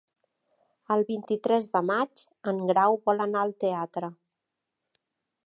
El vint-i-tres de maig en Grau vol anar al teatre.